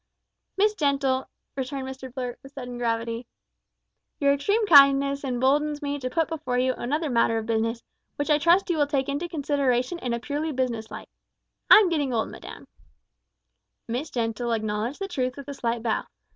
"Miss Gentle," returned Mr Blurt, with sudden gravity, "your extreme kindness emboldens me to put before you another matter of business, which I trust you will take into consideration in a purely business light. I am getting old, madam." Miss Gentle acknowledged the truth with a slight bow.